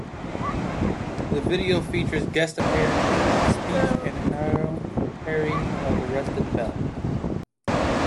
The video features guest appearances from Speech and Aerle Taree of Arrested Development.